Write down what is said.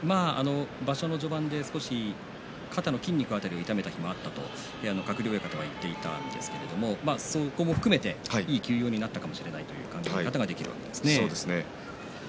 場所の序盤で少し肩の筋肉辺りを痛めた日もあったと部屋の鶴竜親方は言っていたんですがそこも含めていい休養になったかもしれないそうですね。